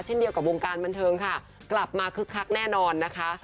เช่นเดียวกับวงการบันเทิงค่ะกลับมาคึกคักแน่นอนนะคะ